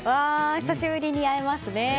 久しぶりに会えますね。